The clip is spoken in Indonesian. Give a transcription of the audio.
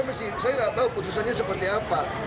makanya kalau dikabut saya nggak tahu keputusannya seperti apa